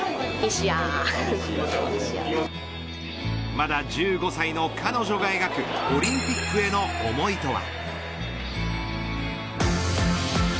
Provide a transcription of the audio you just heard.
まだ１５歳の彼女が描くオリンピックへの思いとは。